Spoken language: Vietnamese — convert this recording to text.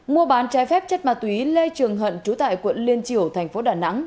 mua bán trái phép chất ma túy lê trường hận trú tại quận liên triều thành phố đà nẵng